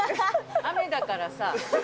雨だからさ。